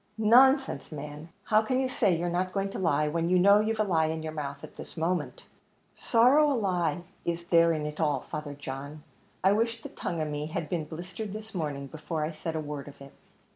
"Nonsense, man; how can you say you are not going to lie, when you know you've a lie in your mouth at the moment." "Sorrow a lie is there in it at all, Father John, I wish the tongue of me had been blistered this morning, before I said a word of it."